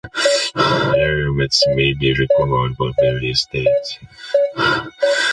Permits may be required by various states.